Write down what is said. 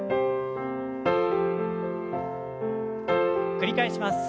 繰り返します。